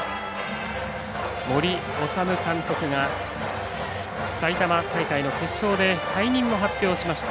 森士監督が、埼玉大会の決勝で退任を発表しました。